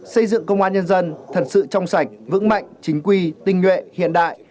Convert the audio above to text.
xây dựng công an nhân dân thật sự trong sạch vững mạnh chính quy tinh nguyện hiện đại